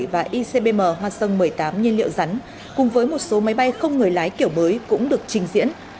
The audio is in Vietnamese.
và icbm hoa sơn một mươi tám nhiên liệu rắn cùng với một số máy bay không người lái kiểu mới cũng được trình diễn